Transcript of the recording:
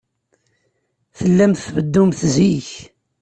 Tellamt tbeddumt zik.